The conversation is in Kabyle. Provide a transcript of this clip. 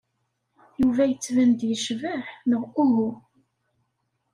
Yuba yettban-d yecbeḥ neɣ uhu?